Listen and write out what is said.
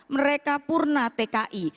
mereka purna tki